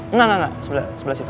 nggak gak gak sebelah situ